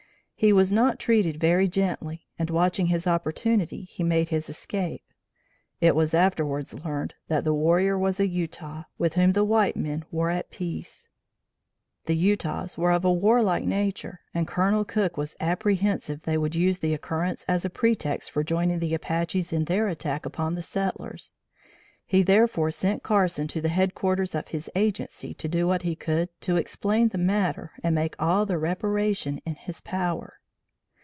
He was not treated very gently and watching his opportunity, he made his escape. It was afterwards learned that the warrior was a Utah, with whom the white men were at peace. The Utahs were of a war like nature and Colonel Cook was apprehensive they would use the occurrence as a pretext for joining the Apaches in their attack upon the settlers. He therefore sent Carson to the headquarters of his agency to do what he could to explain the matter and make all the reparation in his power.